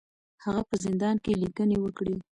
هغه په زندان کې لیکنې وکړې.